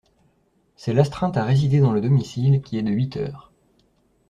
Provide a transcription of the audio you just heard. C’est l’astreinte à résider dans le domicile qui est de huit heures.